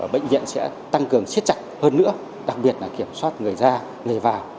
bệnh viện sẽ tăng cường siết chặt hơn nữa đặc biệt là kiểm soát người ra người vào